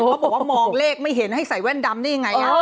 เขาบอกว่ามองเลขไม่เห็นให้ใส่แว่นดำได้ยังไง